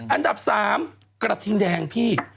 อันดับ๓กระทิงแดงพี่